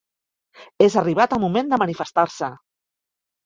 És arribat el moment de manifestar-se.